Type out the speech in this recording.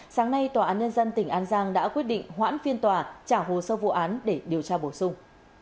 sáng nay tòa án nhân dân tỉnh an giang đã quyết định hoãn phiên tòa trả hồ sơ vụ án để điều tra bổ sung